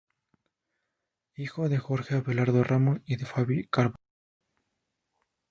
Hijo de Jorge Abelardo Ramos y de Faby Carvallo.